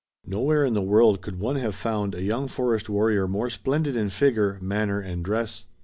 Nowhere in the world could one have found a young forest warrior more splendid in figure, manner and dress.